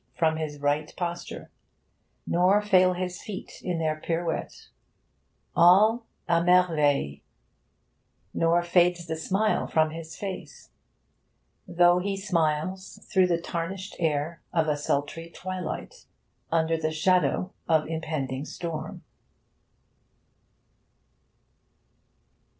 from his right posture, nor fail his feet in their pirouette. All a' merveille! Nor fades the smile from his face, though he smiles through the tarnished air of a sultry twilight, under the shadow of impending storm.